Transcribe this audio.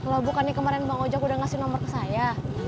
kalau bukannya kemarin bang ojak udah ngasih nomor ke saya